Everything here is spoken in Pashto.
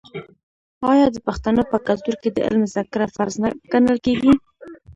آیا د پښتنو په کلتور کې د علم زده کړه فرض نه ګڼل کیږي؟